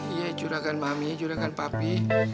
iya juragan mami juragan papi